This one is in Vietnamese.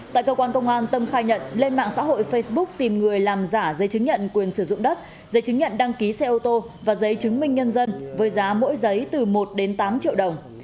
tại cơ quan công an tâm khai nhận lên mạng xã hội facebook tìm người làm giả giấy chứng nhận quyền sử dụng đất giấy chứng nhận đăng ký xe ô tô và giấy chứng minh nhân dân với giá mỗi giấy từ một đến tám triệu đồng